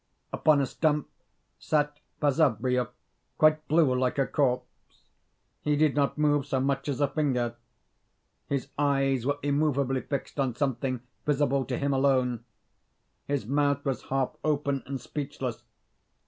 Upon a stump sat Basavriuk, quite blue like a corpse. He did not move so much as a finger. Hi eyes were immovably fixed on something visible to him alone; his mouth was half open and speechless.